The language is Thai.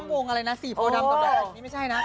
ก็ตั้งวงอะไรนะสี่โพลดำกับแบบนี้ไม่ใช่นะ